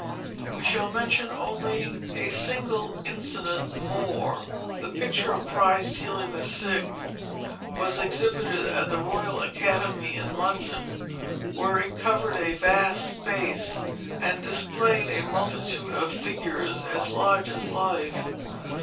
We shall mention only a single incident more. The picture of Christ Healing the Sick was exhibited at the Royal Academy in London, where it covered a vast space, and displayed a multitude of figures as large as life.